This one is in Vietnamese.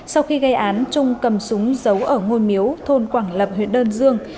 sau khi gây án trung cầm súng giấu ở ngôi miếu thôn quảng lập huyện đơn dương